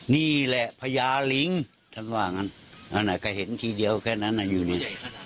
นี่แหละพญาลิงท่านว่างั้นอันไหนก็เห็นทีเดียวแค่นั้นอยู่นี่